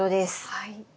はい。